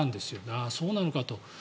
ああ、そうなのかと。